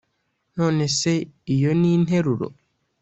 None se iyo ni interuro